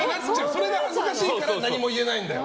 それが恥ずかしいから何も言えないんだよ。